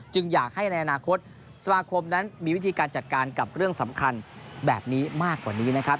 อยากให้ในอนาคตสมาคมนั้นมีวิธีการจัดการกับเรื่องสำคัญแบบนี้มากกว่านี้นะครับ